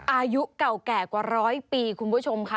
อายุเก่าแก่กว่าร้อยปีคุณผู้ชมค่ะ